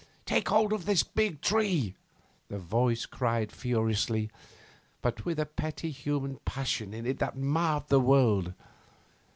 Take hold of this big tree!' The voice cried furiously, but with a petty human passion in it that marred the world.